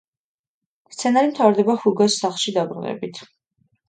სცენარი მთავრდება ჰუგოს სახლში დაბრუნებით.